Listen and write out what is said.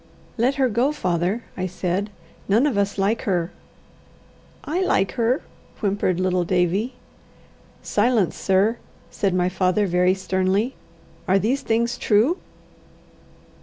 "Let her go, father," I said. "None of us like her." "I like her," whimpered little Davie. "Silence, sir!" said my father, very sternly. "Are these things true?"